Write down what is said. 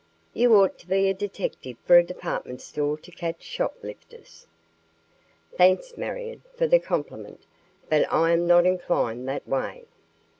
"You ought to be a detective for a department store to catch shoplifters." "Thanks, Marion, for the compliment, but I am not inclined that way.